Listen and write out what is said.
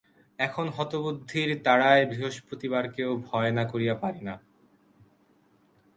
এখন হতবুদ্ধির তাড়ায় বৃহস্পতিবারকেও ভয় না করিয়া পারি না।